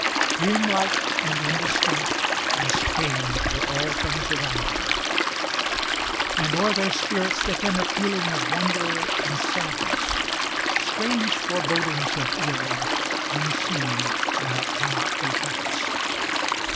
Dreamlike, and indistinct, and strange were all things around them; And o'er their spirits there came a feeling of wonder and sadness, Strange forebodings of ill, unseen and that cannot be compassed.